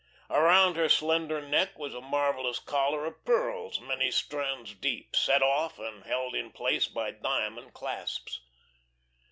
Around her slender neck was a marvellous collar of pearls many strands deep, set off and held in place by diamond clasps.